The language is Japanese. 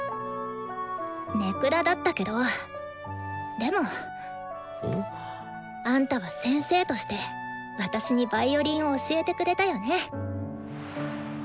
根暗だったけどでもあんたは「先生」として私にヴァイオリンを教えてくれたよね。